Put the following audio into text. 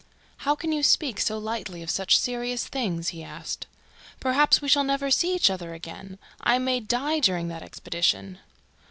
"How can you speak so lightly of such serious things?" he asked. "Perhaps we shall never see each other again! I may die during that expedition."